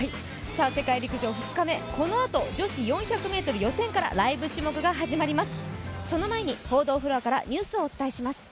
世界陸上２日目このあと女子４００ｍ予選からライブ種目が始まります。